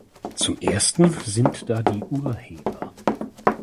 Zum ersten sind da die Urheber.